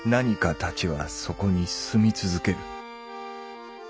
たちはそこに住み続ける。